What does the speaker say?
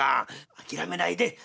諦めないで」。